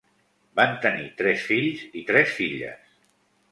Van tenir tres fills i tres filles.